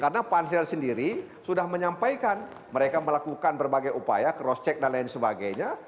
karena pansel sendiri sudah menyampaikan mereka melakukan berbagai upaya cross check dan lain sebagainya